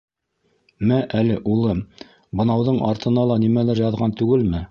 - Мә әле, улым, бынауҙың артына ла нимәлер яҙған түгелме?